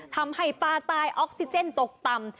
ทำให้ปลาตายออกซิเจนตกต่ำ